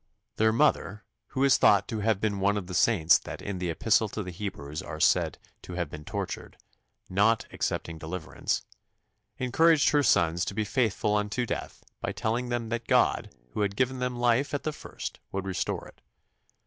Their mother, who is thought to have been one of the saints that in the Epistle to the Hebrews are said to have been tortured, not accepting deliverance, encouraged her sons to be faithful unto death by telling them that God who had given them life at the first would restore it.